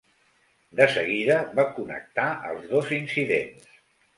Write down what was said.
De seguida, va connectar els dos incidents.